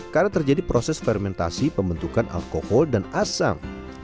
karena terjadi proses fermentasi pembentukan alkohol dan asam